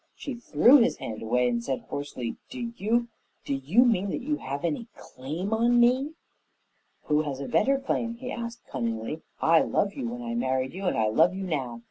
She threw his hand away and said hoarsely, "Do you do you mean that you have any claim on me?" "Who has a better claim?" he asked cunningly. "I loved you when I married you and I love you now.